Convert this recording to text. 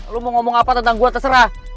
lo mau ngomong apa tentang gue terserah